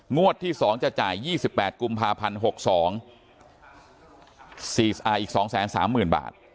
งวดที่สองจะจ่ายยี่สิบแปดกุมภาพันธ์หกสองอีกสองแสนสามหมื่นบาท